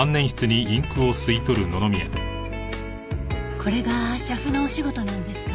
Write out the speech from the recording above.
これが写譜のお仕事なんですか？